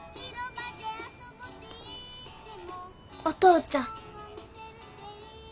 お父ちゃん。